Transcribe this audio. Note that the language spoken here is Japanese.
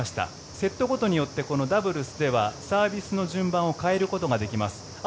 セットごとによってこのダブルスではサービスの順番を変えることができます。